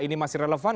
ini masih relevan